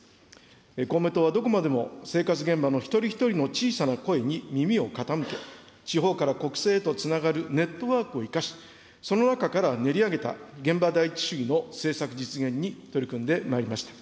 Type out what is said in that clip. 公明党はどこまでも生活現場の一人一人の小さな声に耳を傾け、地方から国政へとつながるネットワークを生かし、その中から練り上げた現場第一主義の政策実現に取り組んでまいりました。